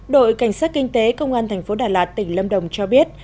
đội cảnh sát kinh tế công an tp đà lạt tỉnh lâm đồng cho biết